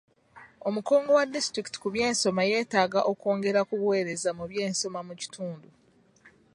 Omukungu wa disitulikiti ku by'ensoma yeetaaga okwongera ku buweereza mu by'ensoma mu kitundu.